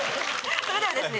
それではですね